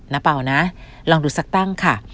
เป่านะลองดูสักตั้งค่ะ